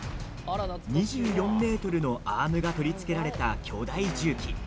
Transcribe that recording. ２４ｍのアームが取り付けられた巨大重機。